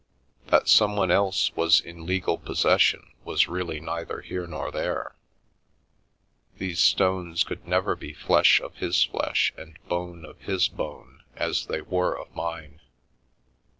That someone else was in legal possession was really neither here nor there; these stones could never be flesh of his flesh and bone of his bone as they were of mine.